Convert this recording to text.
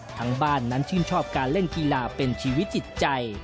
ทั้งบ้านนั้นชื่นชอบการเล่นกีฬาเป็นชีวิตจิตใจ